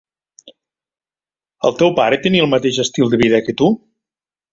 El teu pare tenia el mateix estil de vida que tu?